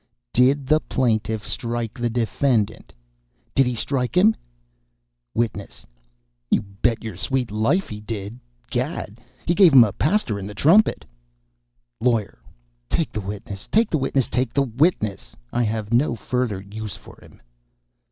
Did the plaintiff strike the defendant? Did he strike him?" WITNESS. "You bet your sweet life he did. Gad! he gave him a paster in the trumpet " LAWYER. "Take the witness! take the witness! take the witness! I have no further use for him."